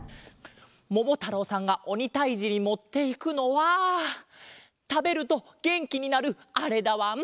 ももたろうさんがおにたいじにもっていくのはたべるとげんきになるあれだわん。